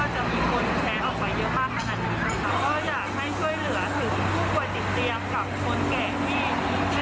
ไม่คิดว่าจะมีคนแชร์ออกไปเยอะมากขนาดนี้ค่ะก็อยากให้ช่วยเหลือถึงผู้ป่วยติดเตรียมกับคนแก่งที่ไม่ได้ใช้สมาร์ทโฟนนะคะ